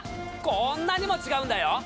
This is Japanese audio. こんなにも違うんだよ！